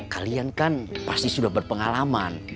kalian kan pasti sudah berpengalaman